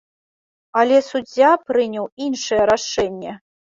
Але суддзя прыняў іншае рашэнне.